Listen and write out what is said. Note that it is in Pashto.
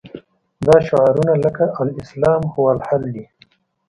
دا شعارونه لکه الاسلام هو الحل دي.